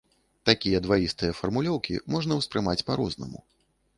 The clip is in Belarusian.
Такія дваістыя фармулёўкі можна ўспрымаць па-рознаму.